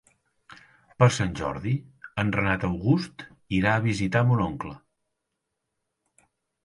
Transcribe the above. Per Sant Jordi en Renat August irà a visitar mon oncle.